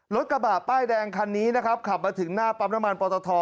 รถกระบะป้ายแดงคันนี้นะครับขับมาถึงหน้าปั๊มน้ำมันปอตท